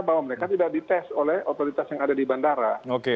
bahwa mereka tidak dites oleh otoritas yang ada di bandara